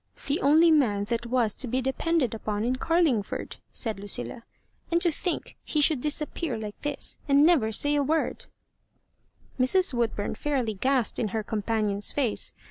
The only man that was to be depended upon in Carlingford I '* said Lucilla ;" and to think he should disappear like this, and never say a word I " Mrs. Woodbum fairly gasped in her compa nion's face.